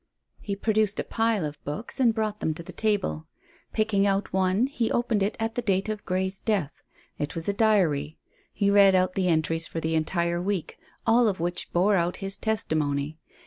He produced a pile of books and brought them to the table. Picking out one he opened it at the date of Grey's death. It was a diary. He read out the entries for the entire week, all of which bore out his testimony.